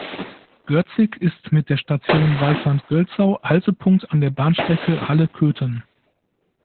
Görzig ist mit der Station Weißandt-Gölzau Haltepunkt an der Bahnstrecke Halle-Köthen.